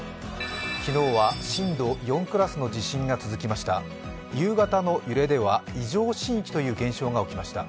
昨日は震度４クラスの地震が続きました。